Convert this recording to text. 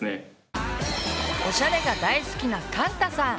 おしゃれが大好きなかんたさん。